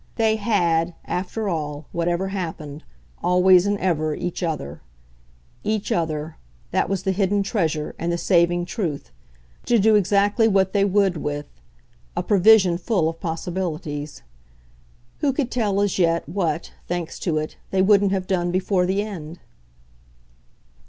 They HAD, after all, whatever happened, always and ever each other; each other that was the hidden treasure and the saving truth to do exactly what they would with: a provision full of possibilities. Who could tell, as yet, what, thanks to it, they wouldn't have done before the end?